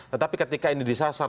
tetapi ketika ini disasar